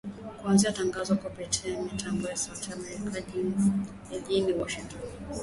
kuanzisha matangazo kupitia mitambo ya Sauti ya Amerika mjini Washington